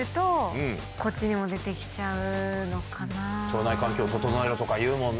腸内環境整えろとかいうもんね。